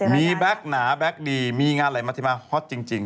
มีแบ็คหนาแบ็คดีมีงานอะไรมาที่มาฮอตจริง